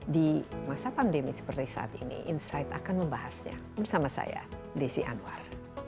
di masa pandemi seperti saat ini insight akan membahasnya bersama saya desi anwar